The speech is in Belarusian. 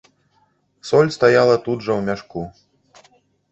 Соль стаяла тут жа ў мяшку.